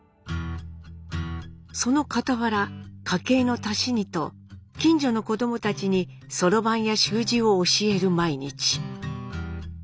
そのかたわら家計の足しにと近所の子どもたちにそろばんや習字を教える毎日。